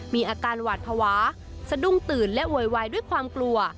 มีอาการหวาดภาวะสะดุ้งตื่นและโวยวายด้วยความกลัว